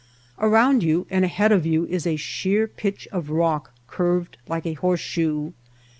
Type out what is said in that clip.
Around you and ahead of you is a sheer pitch of rock curved like a horseshoe.